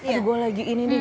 aduh gue lagi ini nih